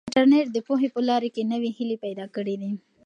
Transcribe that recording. انټرنیټ د پوهې په لاره کې نوې هیلې پیدا کړي دي.